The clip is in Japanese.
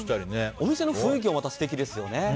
お店の雰囲気もまた素敵ですよね。